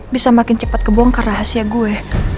bisa makin cepat kebongkar rahasia gue